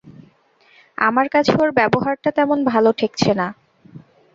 আমার কাছে ওঁর ব্যবহারটা তেমন ভালো ঠেকছে না।